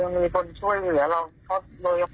มีคนช่วยเหวือเราเพราะโรยพ่อ